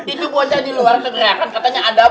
itu bocah di luar negara kan katanya ada